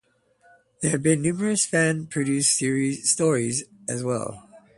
There have been numerous fan-produced stories as well.